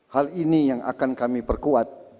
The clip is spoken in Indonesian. hal ini yang akan kami perkuat